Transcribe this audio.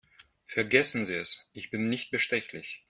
Vergessen Sie es, ich bin nicht bestechlich.